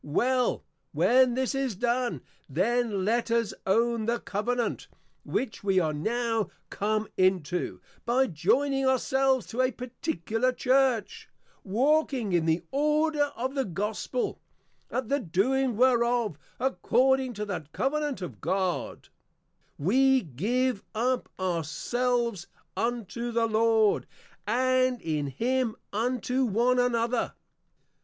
_ Well; When this is done, Then let us own the Covenant, which we are now come into, by joining our selves to a Particular Church, walking in the Order of the Gospel; at the doing whereof, according to that Covenant of God, We give up Our selves unto the Lord, and in Him unto One Another.